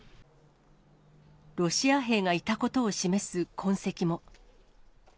ロシア兵がいたことを示す痕跡も。